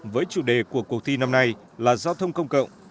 với chủ đề của cuộc thi năm nay là giao thông công cộng